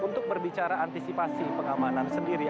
untuk berbicara antisipasi pengamanan sendiri